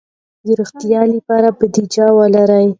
د روغتیا لپاره بودیجه ولرئ.